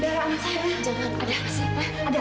darah anak saya